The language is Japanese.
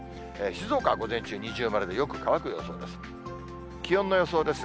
静岡は午前中二重丸でよく乾く予想です。